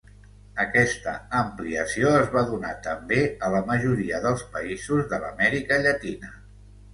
Aquesta ampliació es va donar també a la majoria dels països de l'Amèrica Llatina.